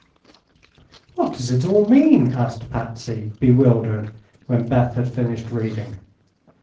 "What does it all mean?" asked Patsy, bewildered, when Beth had finished reading.